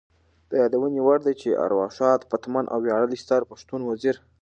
د یادونې وړ ده چې د ارواښاد پتمن او ویاړلي ستر پښتون وزیر